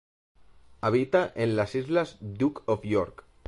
Habita en las islas Duke of York.